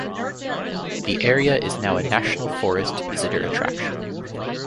The area is now a national forest visitor attraction.